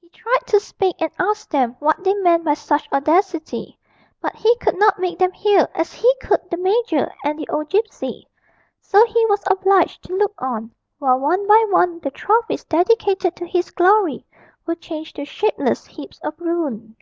He tried to speak and ask them what they meant by such audacity, but he could not make them hear as he could the major and the old gipsy; so he was obliged to look on while one by one the trophies dedicated to his glory were changed to shapeless heaps of ruin.